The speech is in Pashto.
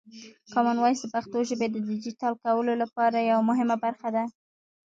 کامن وایس د پښتو ژبې د ډیجیټل کولو لپاره یوه مهمه برخه ده.